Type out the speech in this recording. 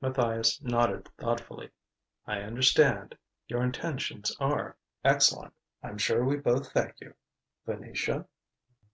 Matthias nodded thoughtfully. "I understand: your intentions are excellent. I'm sure we both thank you. Venetia